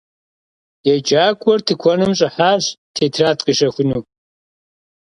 Yêcak'uer tıkuenım ş'ıhaş têtrad khişexunu.